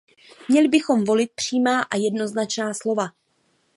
Měli bychom volit přímá a jednoznačná slova.